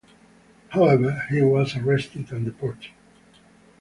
However he was arrested and deported.